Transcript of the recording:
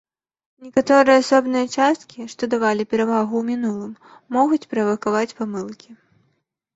Некаторыя асобныя часткі, што давалі перавагу ў мінулым, могуць правакаваць памылкі.